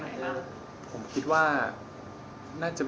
มันยังผ่านมา๓วันเลยนะครับ